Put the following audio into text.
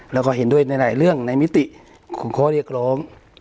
แล้วก็เห็นด้วยในหลายเรื่องในมิติของข้อเรียกร้อง